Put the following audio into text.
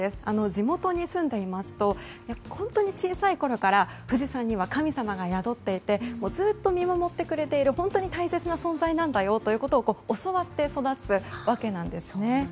地元に住んでいますと本当に小さいころから富士山には神様が宿っていてずっと見守ってくれている本当に大切な存在なんだよということを教わって育つわけなんですね。